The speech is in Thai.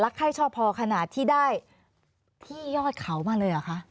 ใครชอบพอขนาดที่ได้ที่ยอดเขามาเลยเหรอคะ